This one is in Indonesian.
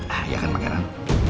ah ya kan pangeran